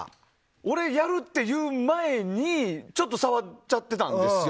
俺、やるっていう前にちょっと触っちゃってたんですよ